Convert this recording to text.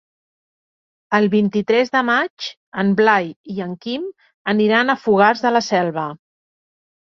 El vint-i-tres de maig en Blai i en Quim aniran a Fogars de la Selva.